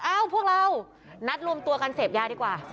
พวกเรานัดรวมตัวกันเสพยาดีกว่า